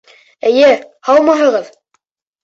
Эйе, һаумыһығыҙ!